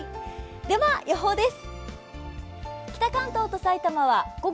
では、予報です。